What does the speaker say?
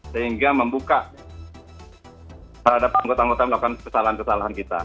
sehingga membuka terhadap anggota anggota melakukan kesalahan kesalahan kita